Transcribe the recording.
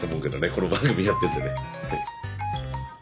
この番組やっててねはい。